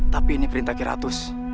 tapi ini perintah kiratus